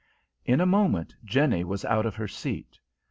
In a moment Jenny was out of her seat.